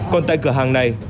còn tại cửa hàng này